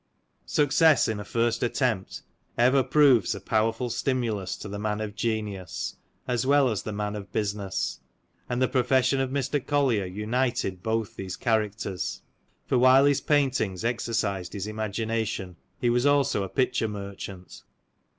Success in a first attempt ever proves a powerful stimulus to the man of genius, as well as the man of business; and the profession of Mr. Collier united both these characters : for while his paintings exercised his imagination, he was also a picture merchant.